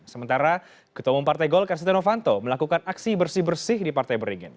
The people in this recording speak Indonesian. sementara ketemu partai gol karsita novanto melakukan aksi bersih bersih di partai beringin